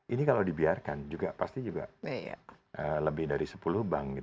ini kalau dibiarkan juga pasti juga lebih dari sepuluh bank